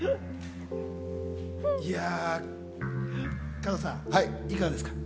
加藤さん、いかがですか？